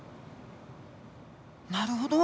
なるほど。